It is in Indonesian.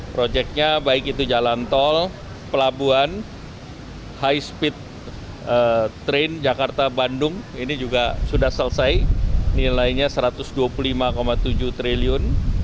proyeknya baik itu jalan tol pelabuhan high speed train jakarta bandung ini juga sudah selesai nilainya satu ratus dua puluh lima tujuh triliun